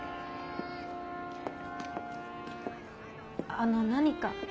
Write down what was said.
あの何か？